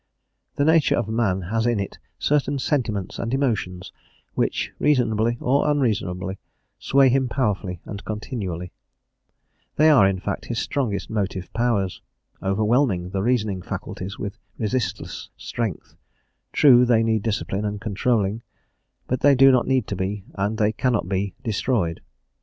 The nature of man has in it certain sentiments and emotions which, reasonably or unreasonably, sway him powerfully and continually; they are, in fact, his strongest motive powers, overwhelming the reasoning faculties with resistless strength; true, they need discipline and controlling, but they do not need to be, and they cannot be, destroyed.